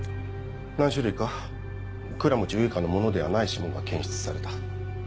何種類か倉持結花のものではない指紋が検出された。